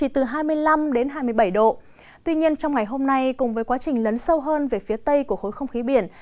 tuy nhiên trong ngày hôm nay cùng với quá trình lấn sâu hơn về phía tây của khối không khí biển